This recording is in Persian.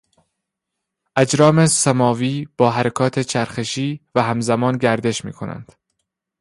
اجرام سماوی با حرکات چرخشی و همزمان گردش میکنند.